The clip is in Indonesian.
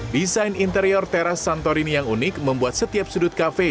desain interior teras santorini yang unik membuat setiap sudut kafe